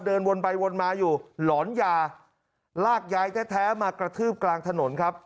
เดินวนไปวนมาอยู่หลอนยาลากยายแท้มากระทืบกลางถนนครับ